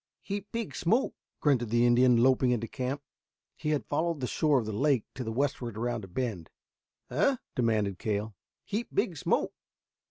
"Heap big smoke," grunted the Indian, loping into camp. He had followed the shore of the lake to the westward around a bend. "Eh?" demanded Cale. "Heap big smoke."